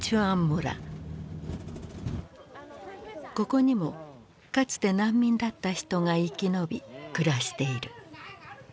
ここにもかつて難民だった人が生き延び暮らしている。